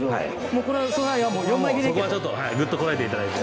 そこはちょっとぐっとこらえていただいて。